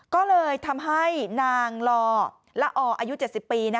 ก็เลยทำให้นางลอละออายุ๗๐ปี